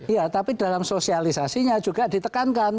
ya tapi dalam sosialisasinya juga ditekankan